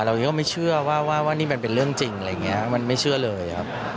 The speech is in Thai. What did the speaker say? เราก็ไม่เชื่อว่านี่มันเป็นเรื่องจริงอะไรอย่างนี้มันไม่เชื่อเลยครับ